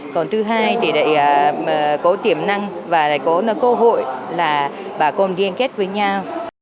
còn thứ hai thì có tiềm năng và có cơ hội là bà con điên kết với nhau